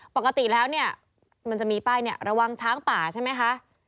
ปกติแล้วเนี่ยมันจะมีป้ายเนี่ยระวังช้างป่าใช่ไหมคะ